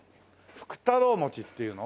福太郎餅っていうの？